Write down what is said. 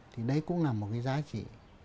thì đấy cũng là một cái giá trị